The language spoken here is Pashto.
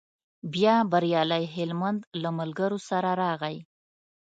بیا بریالی هلمند له ملګرو سره راغی.